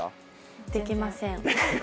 できません。